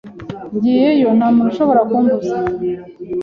Ngiyeyo. Nta muntu ushobora kumbuza